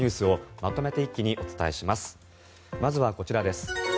まずは、こちらです。